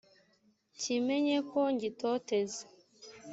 kimenye ko ngitoteza